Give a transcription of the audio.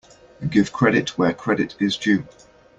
Give credit where credit is due.